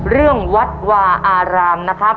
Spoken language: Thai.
เรื่องวัดวาอารามนะครับ